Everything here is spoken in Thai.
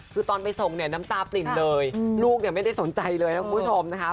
คือตอนไปส่งเนี่ยน้ำตาปริ่มเลยลูกเนี่ยไม่ได้สนใจเลยนะคุณผู้ชมนะคะ